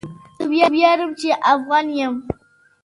زه ویاړم چی افغان يم